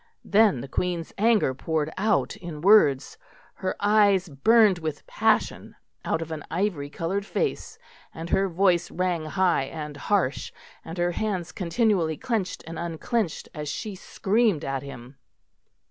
Then the Queen's anger poured out in words. Her eyes burned with passion out of an ivory coloured face, and her voice rang high and harsh, and her hands continually clenched and unclenched as she screamed at him.